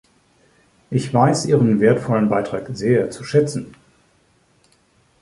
Ich weiß ihren wertvollen Beitrag sehr zu schätzen.